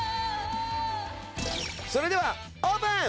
それではオープン！